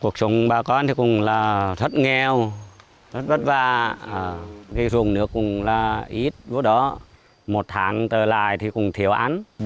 cuộc trùng bà con cũng rất nghèo rất vất vả dùng nước cũng ít một tháng tờ lại thì cũng thiếu ăn